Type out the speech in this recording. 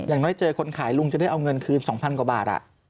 อย่างน้อยเจอคนขายลุงจะได้เอาเงินคืน๒๐๐กว่าบาท